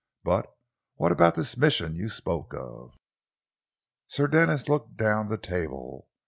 But what about this mission you spoke of?" Sir Denis looked down the table.